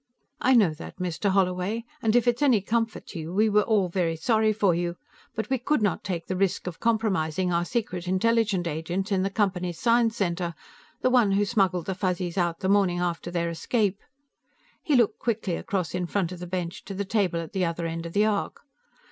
"I know that, Mr. Holloway, and if it's any comfort to you, we were all very sorry for you, but we could not take the risk of compromising our secret intelligence agent in the Company's Science Center, the one who smuggled the Fuzzies out the morning after their escape." He looked quickly across in front of the bench to the table at the other end of the arc.